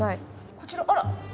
こちらあらっ。